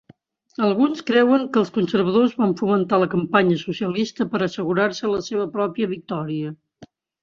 Alguns creuen que els Conservadors van fomentar la campanya socialista per assegurar-se la seva pròpia victòria.